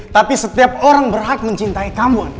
tapi setiap orang berhak mencintai kamu